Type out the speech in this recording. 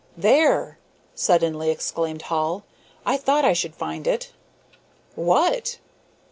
"There!" suddenly exclaimed Hall, "I thought I should find it." "What?"